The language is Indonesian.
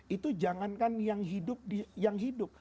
itu jangankan yang hidup